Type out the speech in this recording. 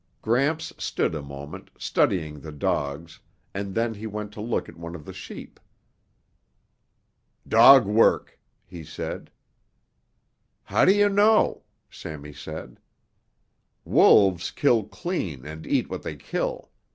Gramps stood a moment, studying the dogs, and then he went to look at one of the sheep. "Dog work," he said. "How do you know?" Sammy said. "Wolves kill clean and eat what they kill.